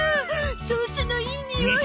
ソースのいいにおい！